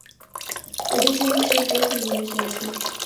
ওদের সঙ্গে সে বেশ মিলেমিশে আছে।